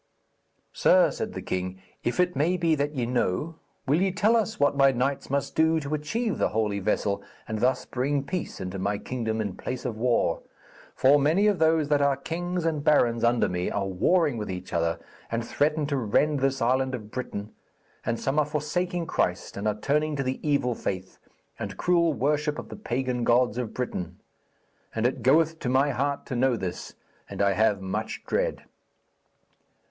'Sir,' said the king, 'if it may be that ye know, will ye tell us what my knights must do to achieve the Holy Vessel, and thus bring peace into my kingdom in place of war? For many of those that are kings and barons under me are warring with each other, and threaten to rend this island of Britain, and some are forsaking Christ and are turning to the evil faith and cruel worship of the pagan gods of Britain. And it goeth to my heart to know this, and I have much dread.'